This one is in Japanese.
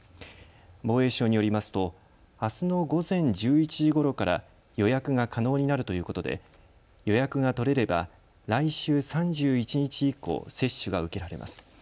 防衛省によりますと、あすの午前１１時ごろから予約が可能になるということで予約が取れれば来週３１日以降、接種が受けられます。